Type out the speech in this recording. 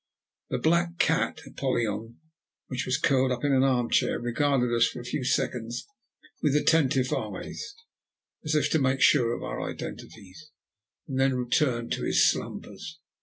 The black cat, Apollyon, which was curled up in an arm chair, regarded us for a few seconds with attentive eyes, as if to make sure of our identities, and then returned to his slumbers.